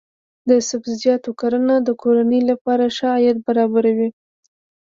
د سبزیجاتو کرنه د کورنۍ لپاره ښه عاید برابروي.